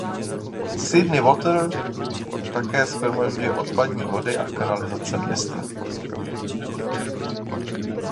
Sydney Water také shromažďuje odpadní vody a kanalizace města.